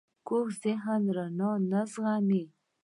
کوږ ذهن رڼا نه زغمي